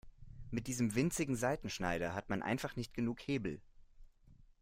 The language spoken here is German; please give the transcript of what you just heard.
Mit diesem winzigen Seitenschneider hat man einfach nicht genug Hebel.